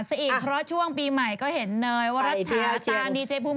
ซะอีกเพราะช่วงปีใหม่ก็เห็นเนยวรัฐาตาดีเจภูมิ